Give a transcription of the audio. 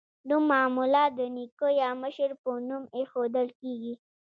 نوم معمولا د نیکه یا مشر په نوم ایښودل کیږي.